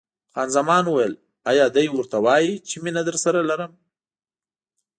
خان زمان وویل: ایا دی ورته وایي چې مینه درسره لرم؟